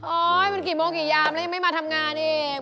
มันกี่โมงกี่ยามแล้วยังไม่มาทำงานเอง